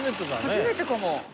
初めてかも。